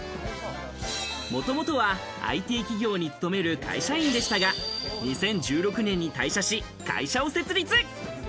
もともとはＩＴ企業に勤める会社員でしたが、２０１６年に退社し、会社を設立。